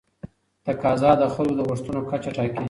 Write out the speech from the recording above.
تقاضا د خلکو د غوښتنو کچه ټاکي.